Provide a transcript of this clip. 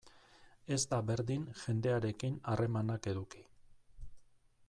Ez da berdin jendearekin harremanak eduki.